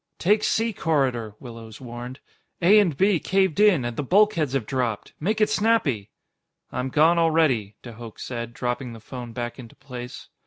"Take C corridor," Willows warned. "A and B caved in, and the bulkheads have dropped. Make it snappy!" "I'm gone already," de Hooch said, dropping the phone back into place.